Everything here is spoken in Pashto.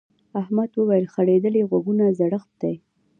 احمد وويل: ځړېدلي غوږونه زړښت دی.